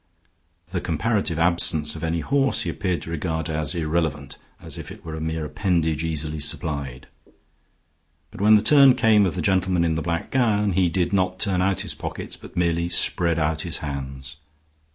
The comparative absence of any horse he appeared to regard as irrelevant, as if it were a mere appendage easily supplied. But when the turn came of the gentleman in the black gown, he did not turn out his pockets, but merely spread out his hands.